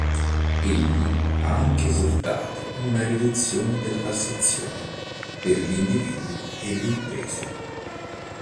Egli ha anche esortato una riduzione della tassazione per gli individui e le imprese.